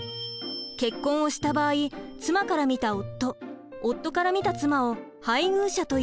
結婚をした場合妻から見た夫夫から見た妻を「配偶者」と言うのよ。